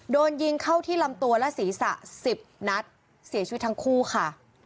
โดนยิงเข้าที่ลำตัวและศีรษะ๑๐นัดเสียชีวิตทั้งคู่ค่ะ